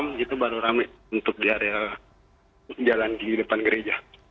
hari minggu itu baru ramai untuk di area jalan di depan gereja